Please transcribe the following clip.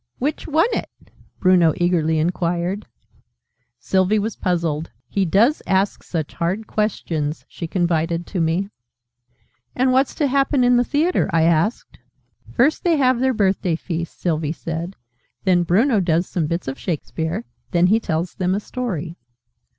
"Which won it?" Bruno eagerly inquired. Sylvie was puzzled. "He does ask such hard questions!" she confided to me. "And what's to happen in the Theatre?" I asked. "First they have their Birthday Feast," Sylvie said: "then Bruno does some Bits of Shakespeare; then he tells them a Story."